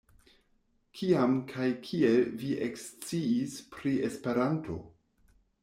Kiam kaj kiel vi eksciis pri Esperanto?